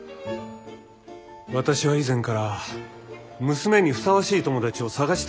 私は以前から娘にふさわしい友達を探していたんです。